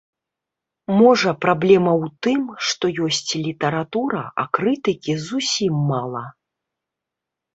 Можа, праблема ў тым, што ёсць літаратура, а крытыкі зусім мала?